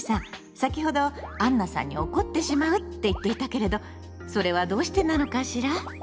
先ほど「あんなさんに怒ってしまう」って言っていたけれどそれはどうしてなのかしら？